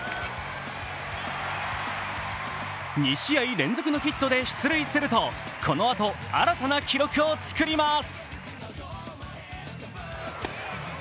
２試合連続のヒットで出塁するとこのあと、新たな記録を作ります。